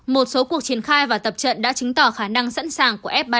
một số cuộc triển khai và tập trận đã chứng tỏ khả năng sẵn sàng của f ba mươi năm a